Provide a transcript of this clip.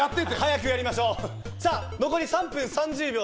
残り３分３０秒。